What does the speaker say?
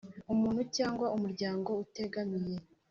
Umuntu cyangwa umuryango utegamiye